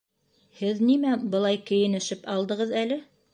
Һеҙ нимә былай кейенешеп алдығыҙ әле?